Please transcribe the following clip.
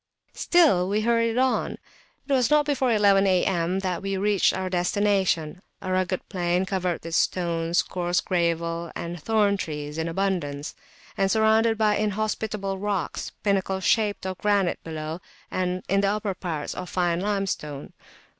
Still we hurried on. It was not before eleven A.M. that we reached our destination, a rugged plain covered with stones, coarse gravel, and thorn trees in abundance; and surrounded by inhospitable rocks, pinnacle shaped, of granite below, and in the upper parts fine limestone.